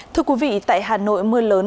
thưa quý vị tại hà nội mưa lớn